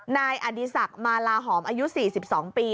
นายอดีศักดิ์มาลาหอมอายุ๔๒ปี